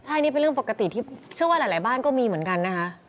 ใช่นี่เป็นเรื่องปกติที่เชื่อว่าหลายบ้านก็มีเหมือนกันนะคะ